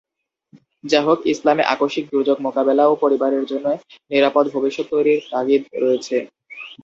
যাহোক, ইসলামে আকস্মিক দুর্যোগ মোকাবেলা ও পরিবারের জন্যে নিরাপদ ভবিষ্যৎ তৈরীর তাগিদ রয়েছে।